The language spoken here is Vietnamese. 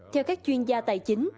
theo các chuyên gia tài chính